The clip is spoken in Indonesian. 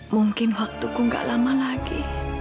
mungkin waktuku gak lama lagi